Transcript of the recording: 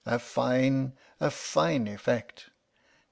A fine a fine effect!